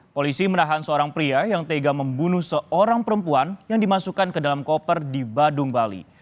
polisi menahan seorang pria yang tega membunuh seorang perempuan yang dimasukkan ke dalam koper di badung bali